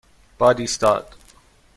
باد ایستاد.